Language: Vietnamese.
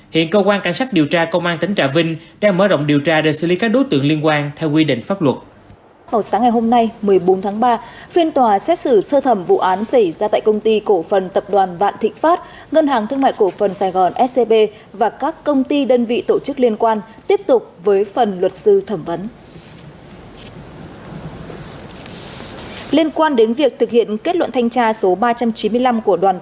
hiện cơ quan cảnh sát điều tra công an tỉnh trạ vinh đang mở rộng điều tra để xử lý các đối tượng liên quan theo quy định pháp luật